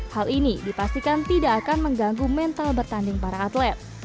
hal ini dipastikan tidak akan mengganggu mental bertanding para atlet